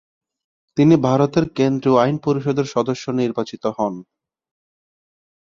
তিনি ভারতের কেন্দ্রীয় আইন পরিষদের সদস্য নির্বাচিত হন।